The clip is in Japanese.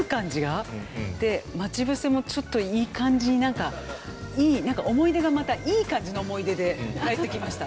で『まちぶせ』もちょっといい感じになんかいい思い出がまたいい感じの思い出で入ってきました。